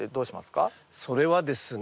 それはですね